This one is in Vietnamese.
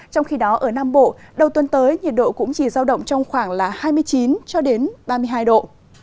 trong khi đó ở nam bộ đầu tuần tới nhiệt độ cũng chỉ giao động trong khoảng hai mươi chín ba mươi hai độ